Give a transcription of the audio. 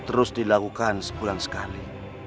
terus dilakukan sebulan sekali